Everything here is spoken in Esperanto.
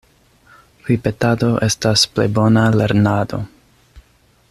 Ripetado estas plej bona lernado.